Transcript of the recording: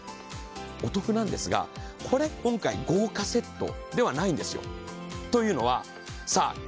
お得なんですがこれ今回豪華セットではないんですよ。というのはさあ